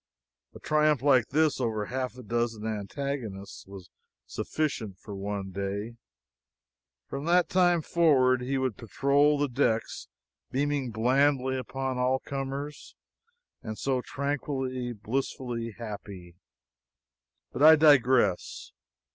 A triumph like this, over half a dozen antagonists was sufficient for one day; from that time forward he would patrol the decks beaming blandly upon all comers, and so tranquilly, blissfully happy! But I digress.